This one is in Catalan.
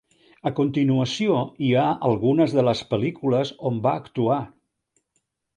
A continuació hi ha algunes de les pel·lícules on va actuar.